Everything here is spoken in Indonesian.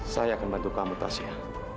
saya akan bantu kamu tasya